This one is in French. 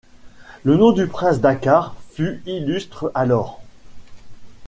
Le nom du prince Dakkar fut illustre alors.